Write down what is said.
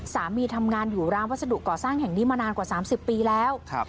สามีทำงานอยู่ร้านวัสดุก่อสร้างแห่งนี้มานานกว่า๓๐ปีแล้ว